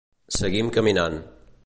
Seguim caminant.